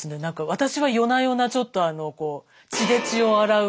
私は夜な夜なちょっとあのこう血で血を洗う？